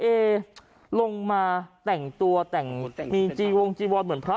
เอลงมาแต่งตัวแต่งมีจีวงจีวรเหมือนพระ